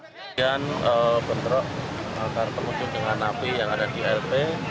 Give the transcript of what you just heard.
kejadian bentrok pengunjung dengan napi yang ada di lp